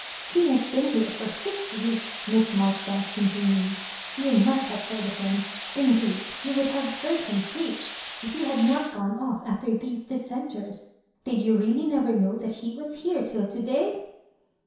'' He has been here for six weeks," Miss Marjoribanks continued: ''you must have heard of him ; indeed you would have heard him preach if you had not gone off after these Dissenters. Did you really never know that he was here till to day?"